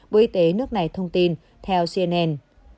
bộ y tế nước này thông tin theo cnn